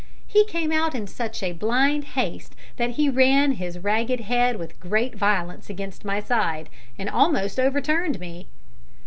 He came out in such blind haste that he ran his ragged head with great violence against my side, and almost overturned me.